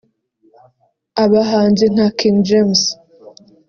abahanzi nka King James